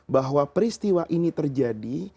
bahwa peristiwa ini terjadi